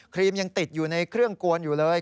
รีมยังติดอยู่ในเครื่องกวนอยู่เลย